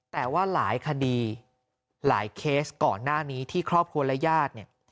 แต่ว่าหลายคดีหลายเคสก่อนหน้านี้ที่ครอบครัวและญาติเนี่ย